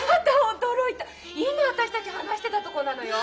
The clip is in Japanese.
驚いた今私たち話してたとこなのよ。